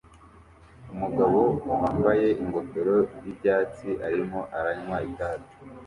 Umugabo wambaye ingofero y'ibyatsi arimo aranywa itabi